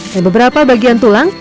dan beberapa bagian tulang